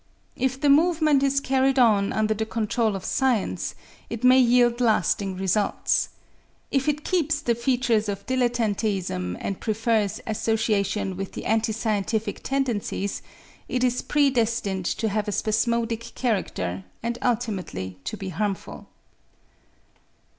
If the movement is carried on under the control of science, it may yield lasting results. If it keeps the features of dilettanteism and prefers association with the antiscientific tendencies, it is pre destined to have a spasmodic character and ultimately to be harmful.